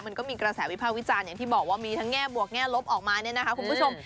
มันก็มีกระแสวิภาควิจารณ์อย่างที่บอกว่ามีทั้งแง่บวกแง่ลบออกมาเนี่ยนะคะคุณผู้ชม